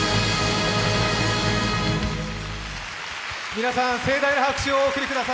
皆さん、盛大な拍手をお送りください。